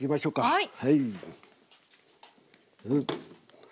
はい。